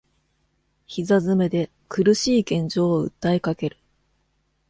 膝詰めで苦しい現状を訴えかける